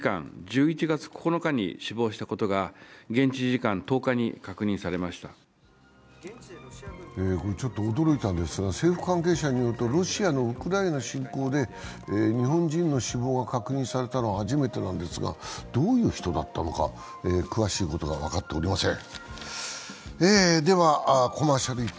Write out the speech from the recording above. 一方この日、日本政府はちょっと驚いたんですが、政府関係者によるとロシアのウクライナ侵攻で日本人の死亡が確認されたのは初めてなんですが、どういう人だったのか、詳しいことは分かっておりません。